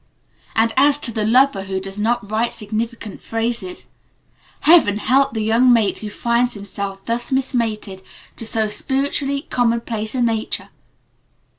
And as to the Lover who does not write significant phrases Heaven help the young mate who finds himself thus mismated to so spiritually commonplace a nature!